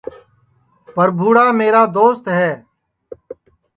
برپھوئاڑا میرا دوست ہے